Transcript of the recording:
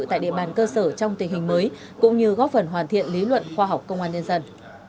tại địa bàn cơ sở trong tình hình mới cũng như góp phần hoàn thiện lý luận khoa học công an nhân dân